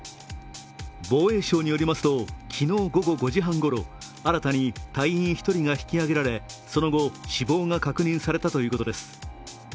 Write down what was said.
防衛省によりますと、昨日午後５時半ごろ、新たに隊員１人が引き揚げられその後、死亡が確認されたということです。